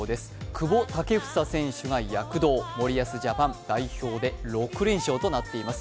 久保建英選手が躍動、森保ジャパン、代表で６連勝となっています。